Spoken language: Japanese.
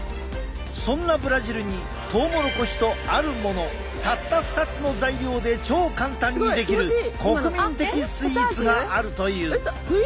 そんなブラジルにトウモロコシとあるものたった２つの材料で超簡単に出来る国民的スイーツがあるという。